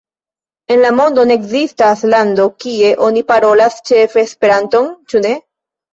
En la mondo ne ekzistas lando, kie oni parolas ĉefe Esperanton, ĉu ne?